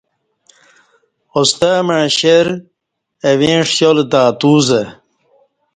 اوستہ مع شیر ہ اویں ݜیالہ تہ اتو زہ